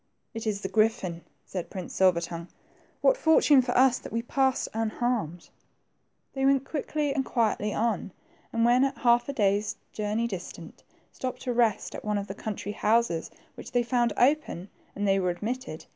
^^It is the griffin," said Prince Silver tongue, what fortune for us that we pass unharmed." THE TWO FRINGES. 87 They went quickly and quietly on, and when at a half day's journey distance, stopped to rest at one of the country houses, which they found open, and where they were admitted.